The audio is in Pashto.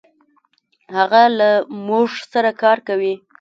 هغه له مونږ سره کار کوي.